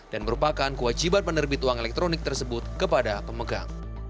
dan merupakan kewajiban penerbit uang elektronik tersebut kepada pemegang